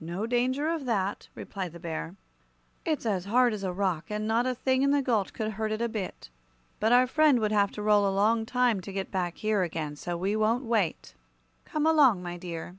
"No danger of that," replied the Bear. "It's as hard as a rock, and not a thing in the gulch could hurt it a bit. But our friend would have to roll a long time to get back here again, so we won't wait. Come along, my dear."